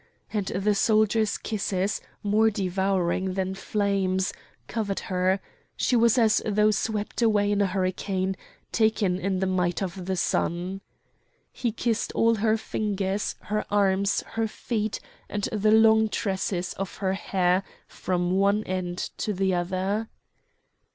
and the soldier's kisses, more devouring than flames, covered her; she was as though swept away in a hurricane, taken in the might of the sun. He kissed all her fingers, her arms, her feet, and the long tresses of her hair from one end to the other.